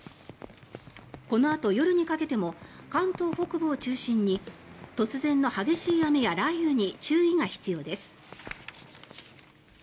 このあと夜にかけても関東北部を中心に突然の激しい雨や雷雨に注意が必要です。